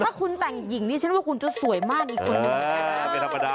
ถ้าคุณแต่งหญิงนี่ฉันว่าคุณจะสวยมากอีกคนนึง